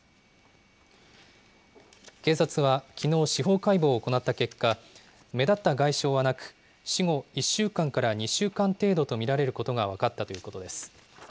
警察はきのう、司法解剖を行った結果、目立った外傷はなく、死後１週間から２週間程度と見られることが分かったということです。